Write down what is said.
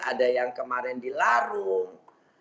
ada yang kemarin di larung